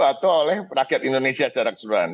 atau oleh rakyat indonesia secara keseluruhan